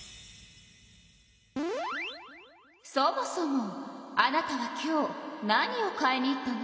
そもそもあなたは今日何を買いに行ったの？